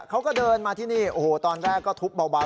เขาก็เดินมาที่นี่โอ้โหตอนแรกก็ทุบเบา